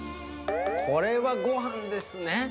これはごはんですね。